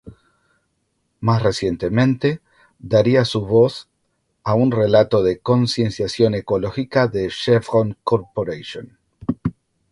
Más recientemente, daría su voz a un relato de concienciación ecológica de Chevron Corporation.